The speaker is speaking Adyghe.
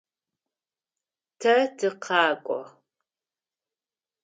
Тэ тыкъэкӏо.